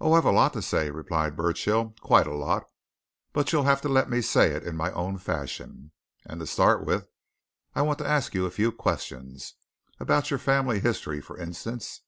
"Oh, I've a lot to say," replied Burchill. "Quite a lot. But you'll have to let me say it in my own fashion. And to start with, I want to ask you a few questions. About your family history, for instance."